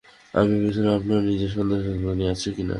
আমি ভাবছিলাম আপনার নিজের সন্তান-সন্ততি আছে কি না।